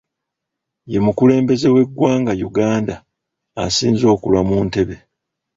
Ye mukulembeze w'eggwanga Uganda asinze okulwa mu ntebe